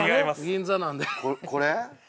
銀座なんでここれ？